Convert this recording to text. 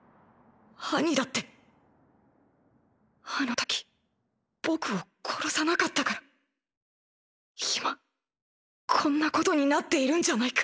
アニだってあの時僕を殺さなかったから今こんなことになっているんじゃないか。